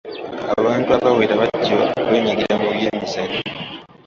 Abantu abawera bajja kwenyigira mu byemizannyo.